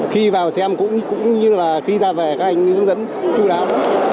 khi vào xem cũng như là khi ra về các anh hướng dẫn chú đáo